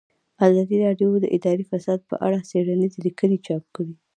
ازادي راډیو د اداري فساد په اړه څېړنیزې لیکنې چاپ کړي.